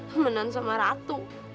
temenan sama ratu